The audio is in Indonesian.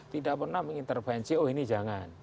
tidak pernah mengintervensi oh ini jangan